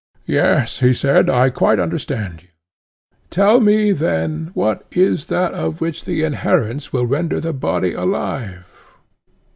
Yes, he said, I quite understand you. Tell me, then, what is that of which the inherence will render the body alive?